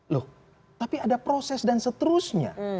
loh tapi ada proses dan seterusnya